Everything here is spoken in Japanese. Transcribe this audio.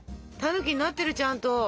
たぬきになってるちゃんと。